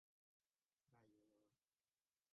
ทับรถ